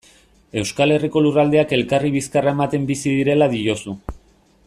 Euskal Herriko lurraldeak elkarri bizkarra ematen bizi direla diozu.